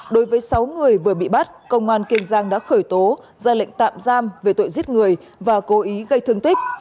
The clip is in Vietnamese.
đối với sáu người vừa bị bắt công an kiên giang đã khởi tố ra lệnh tạm giam về tội giết người và cố ý gây thương tích